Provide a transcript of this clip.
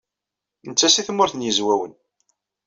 Netta seg Tmurt n Yizwawen.